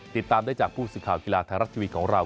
ติดตามได้จากผู้สื่อข่าวกีฬาไทยรัฐทีวีของเรา